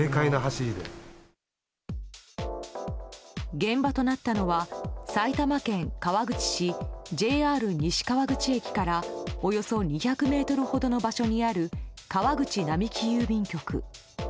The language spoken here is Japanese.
現場となったのは埼玉県川口市、ＪＲ西川口駅からおよそ２００ｍほどの場所にある川口並木郵便局。